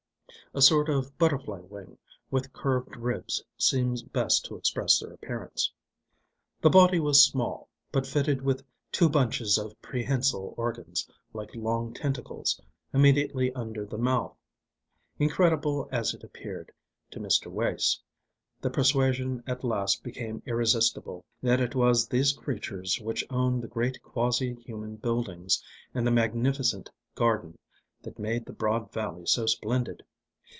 (A sort of butterfly wing with curved ribs seems best to express their appearance.) The body was small, but fitted with two bunches of prehensile organs, like long tentacles, immediately under the mouth. Incredible as it appeared to Mr. Wace, the persuasion at last became irresistible, that it was these creatures which owned the great quasi human buildings and the magnificent garden that made the broad valley so splendid.